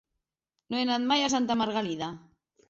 No he anat mai a Santa Margalida.